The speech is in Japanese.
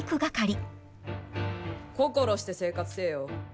心して生活せえよ。